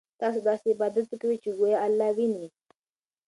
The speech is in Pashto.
تاسو داسې عبادت کوئ چې ګویا الله وینئ.